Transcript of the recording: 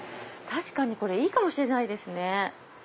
確かにこれいいかもしれないですね。